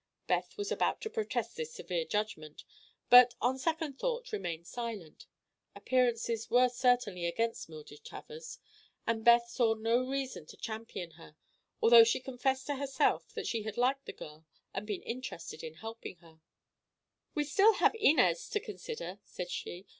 Beth was about to protest this severe judgment, but on second thought remained silent. Appearances were certainly against Mildred Travers and Beth saw no reason to champion her, although she confessed to herself that she had liked the girl and been interested in helping her. "We have still Inez to consider," said she.